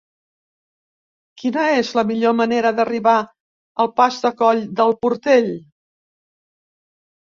Quina és la millor manera d'arribar al pas del Coll del Portell?